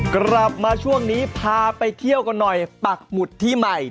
กลับมาช่วงนี้พาไปเที่ยวกันหน่อยปักหมุดที่ใหม่